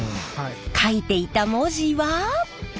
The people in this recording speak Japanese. かいていた文字は？